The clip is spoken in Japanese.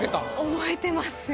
覚えてますよ。